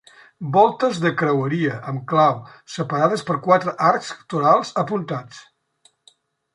Voltes de creueria, amb clau, separades per quatre arcs torals apuntats.